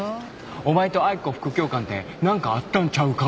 お前と愛子副教官って何かあったんちゃうか言うて。